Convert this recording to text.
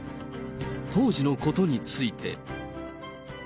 当時のことについて。